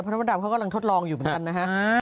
เพราะมดดำเขากำลังทดลองอยู่เหมือนกันนะฮะ